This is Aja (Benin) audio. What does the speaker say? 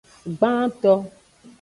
Gbanto.